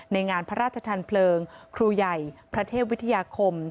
งานพระราชทานเพลิงครูใหญ่พระเทพวิทยาคม